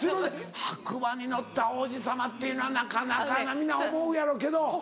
白馬に乗った王子様っていうのはなかなかな皆思うやろうけど。